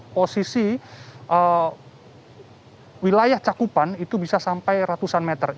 posisi wilayah cakupan itu bisa sampai ratusan meter